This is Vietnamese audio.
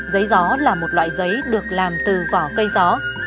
giấy gió là một loại giấy được làm từ vỏ cây gió